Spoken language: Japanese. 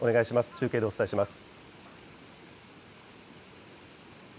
中継でお伝えします。